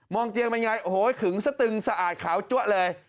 มองเตียงเป็นอย่างไรขึงสะตึงสะอาดขาวจ๊วะเลย